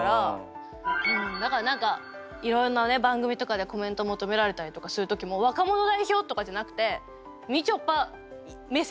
うん何かいろんな番組とかでコメント求められたりとかする時も若者代表とかじゃなくてみちょぱ目線。